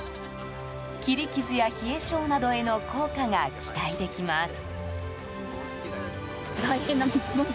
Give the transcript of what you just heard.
切り傷や冷え症などへの効果が期待できます。